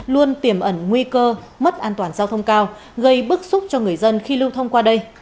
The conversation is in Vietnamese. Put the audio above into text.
luôn tiềm ẩn nguy cơ mất an toàn giao thông cao gây bức xúc cho người dân khi lưu thông qua đây